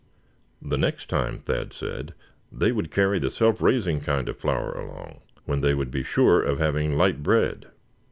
The next time, Thad said, they would carry the self raising kind of flour along, when they would be sure of having light bread.